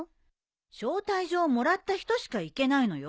招待状をもらった人しか行けないのよ。